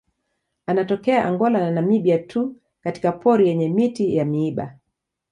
Anatokea Angola na Namibia tu katika pori yenye miti ya miiba.